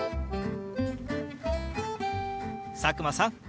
佐久間さん